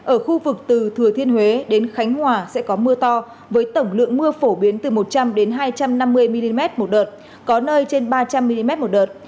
ở khu vực từ thừa thiên huế đến khánh hòa sẽ có mưa to với tổng lượng mưa phổ biến từ một trăm linh hai trăm năm mươi mm một đợt có nơi trên ba trăm linh mm một đợt